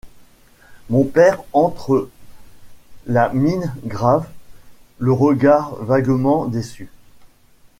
Mon père entre, la mine grave, le regard vaguement déçu.